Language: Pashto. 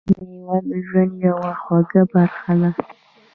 میوه د ژوند یوه خوږه برخه ده.